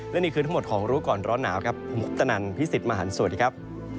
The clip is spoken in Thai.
และนี่คือทั้งหมดของรู้ก่อนร้อนหนาวครับผมคุปตนันพี่สิทธิ์มหันฯสวัสดีครับ